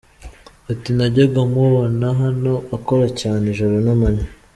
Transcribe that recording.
Ati “Najyaga mubona hano akora cyane ijoro n’amanywa.